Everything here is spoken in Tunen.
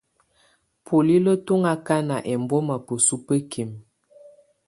Bolilǝ́ tù ɔŋ akaka ɛmbɔ̀ma bǝsubǝkimǝ.